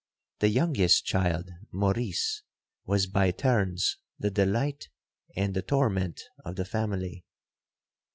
The youngest child, Maurice, was by turns the delight and the torment of the family.